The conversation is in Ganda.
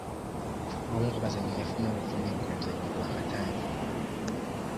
Omu ku bazannyi yafunye obuvune ng'omuzannyo gwakatandika.